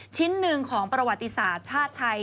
ชิ้นหนึ่งของประวัติศาสตร์ชาติไทย